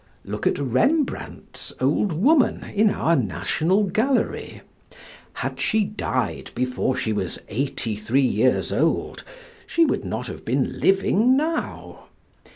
Look at Rembrandt's old woman in our National Gallery; had she died before she was eighty three years old she would not have been living now.